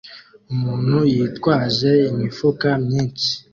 Umuntu yitwaje imifuka myinshi